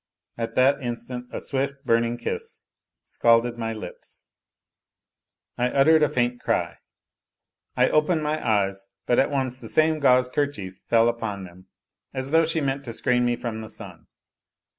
At that instant a swift, burning kiss scalded my lips. I uttered a faint cry. I opened my eyes, but at once the same gauze kercliief fell upon them, as though she meant to screen me from the sun.